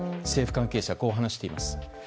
政府関係者はこう話しています。